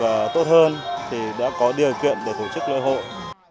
và tốt hơn thì đã có điều kiện để tổ chức lễ hội